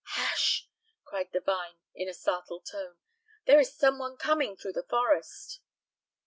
"Hush!" cried the vine in a startled tone; "there is some one coming through the forest."